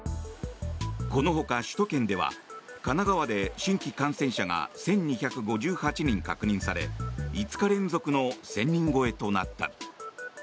このほか首都圏では神奈川で新規感染者が１２５８人確認され、５日連続の１０００人超えとなった。